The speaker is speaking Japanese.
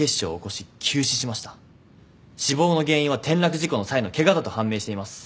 死亡の原因は転落事故の際のケガだと判明しています。